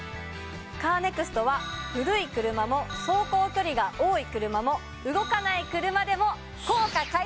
カーネクストは古い車も走行距離が多い車も動かない車でも。